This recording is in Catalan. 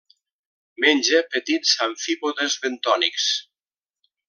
Menja petits amfípodes bentònics.